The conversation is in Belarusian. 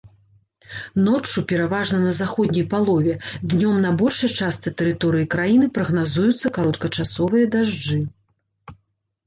Ноччу пераважна на заходняй палове, днём на большай частцы тэрыторыі краіны прагназуюцца кароткачасовыя дажджы.